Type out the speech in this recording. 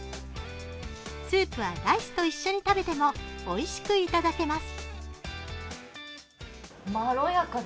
スープはライスと一緒に食べてもおいしくいただけます。